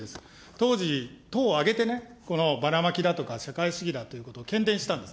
当時、党を挙げてね、このばらまきだとか、社会主義だということを喧伝していたんです。